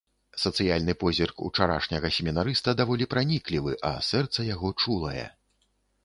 Сацыяльны позірк учарашняга семінарыста даволі праніклівы, а сэрца яго чулае.